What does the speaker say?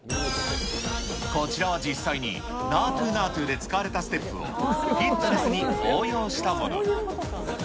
こちらは実際にナートゥ・ナートゥで使われたステップを、フィットネスに応用したもの。